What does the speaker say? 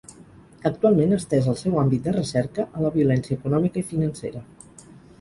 Actualment ha estès el seu àmbit de recerca a la violència econòmica i financera.